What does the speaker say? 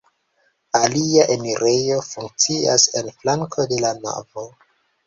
Alia enirejo funkcias en flanko de la navo.